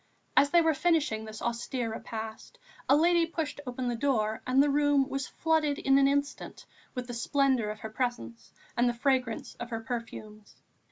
As they were finishing this austere repast, a lady pushed open the door and the room was flooded in an instant with the splendour of her presence and the fragrance of her perfumes.